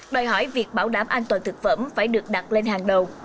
đòi hỏi việc bảo đảm an toàn thực phẩm phải được đặt lên hàng đầu